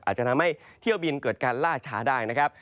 อาจจะทำให้เที่ยวบินเกิดการล่าช้าได้นะครับ